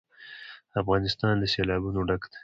افغانستان له سیلابونه ډک دی.